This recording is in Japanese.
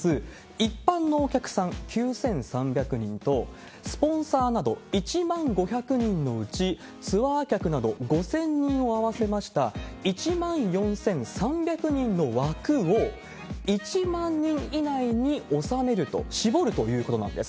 一般のお客さん９３００人と、スポンサーなど１万５００人のうち、ツアー客など５０００人を合わせました１万４３００人の枠を１万人以内に収めると、絞るということなんです。